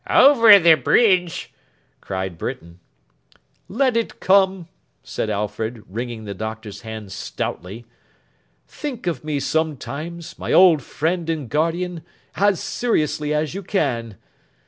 'Over the bridge!' cried Britain. 'Let it come!' said Alfred, wringing the Doctor's hand stoutly. 'Think of me sometimes, my old friend and guardian, as seriously as you can!